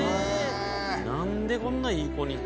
何でこんないい子に。